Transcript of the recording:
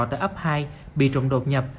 tại ấp hai bị trộm đột nhập